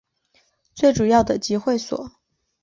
最主要的集会所